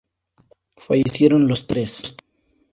Fallecieron los tres.